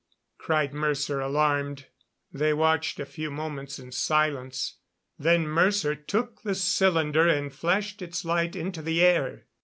cried Mercer, alarmed. They watched a few moments in silence. Then Mercer took the cylinder, and flashed its light into the air.